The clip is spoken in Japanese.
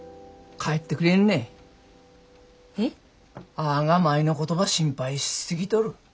あが舞のことば心配し過ぎとる。